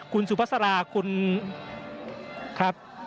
คุณสุภาษาราคุณครับ